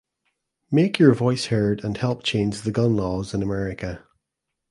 Make your voice heard and help change the gun laws in America.